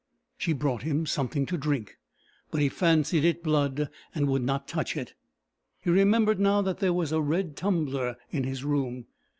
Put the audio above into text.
She brought him something to drink, but he fancied it blood, and would not touch it. He remembered now that there was a red tumbler in his room.